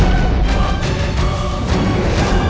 biar kami menghadapinya